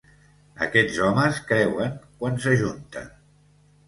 Aquests homes creuen, quan s'ajunten.